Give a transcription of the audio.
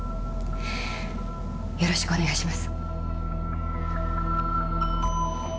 よろしくお願いします。